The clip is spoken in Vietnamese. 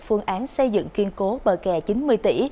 phương án xây dựng kiên cố bờ kè chín mươi tỷ